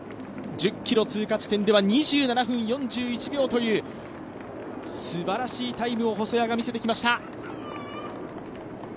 １０ｋｍ通過地点では２７分４１秒というすばらしいタイムを細谷は見せてきました。